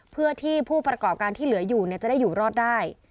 เพื่อที่ผู้ประกอบการที่เหลืออยู่จะได้อยู่รอดได้